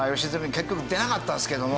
結局出なかったんですけども。